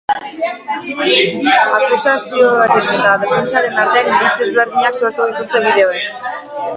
Akusazioaren eta defentsaren artean iritzi ezberdinak sortu dituzte bideoek.